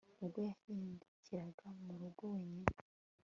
Ubwo yahindukiraga mu rugo wenyine